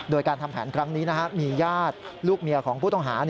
โดยการทำแผนครั้งนี้มีญาติลูกเมียของผู้ต้องหา